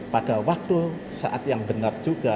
pada waktu saat yang benar juga